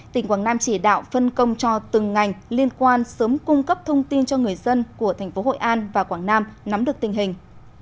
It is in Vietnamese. tỉnh quảng nam chỉ đạo phân công cho từng ngành liên quan sớm cung cấp thông tin cho người dân của thành phố hội an và quảng nam nắm được tình hình